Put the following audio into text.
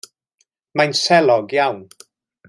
Mae'n selog iawn.